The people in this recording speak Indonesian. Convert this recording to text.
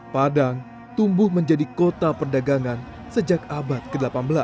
padang tumbuh menjadi kota perdagangan sejak abad ke delapan belas